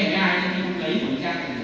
là cái đường trời tuy hưng